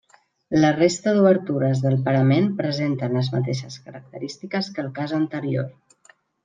La resta d'obertures del parament presenten les mateixes característiques que el cas anterior.